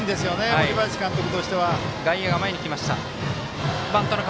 森林監督としては。